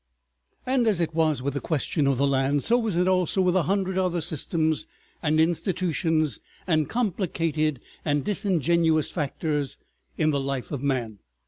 And as it was with the question of the land, so was it also with a hundred other systems and institutions and complicated and disingenuous factors in the life of man.